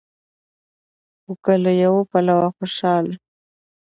خو که له يوه پلوه خوشال